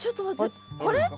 これ？